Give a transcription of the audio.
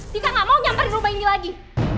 tika ga mau nyamperin rumah ini lagi